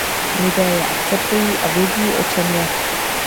Lidé je akceptují a vědí, o čem je.